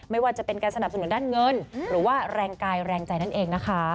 ไม่ว่าจะเป็นการสนับสนุนด้านเงินหรือว่าแรงกายแรงใจนั่นเองนะคะ